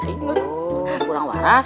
aduh kurang waras